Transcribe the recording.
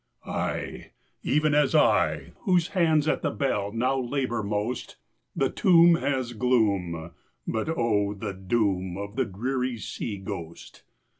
Aye, even as I, whose hands at the bell Now labour most. The tomb has gloom, but oh, the doom Of the drear sea ghost!